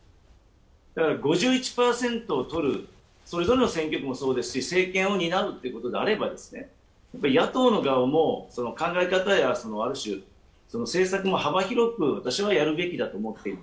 だから、５１％を取る、それぞれの選挙区もそうですし政権を担うっていうことであれば野党の側も考え方やある種、政策も幅広く私はやるべきだと思っていて。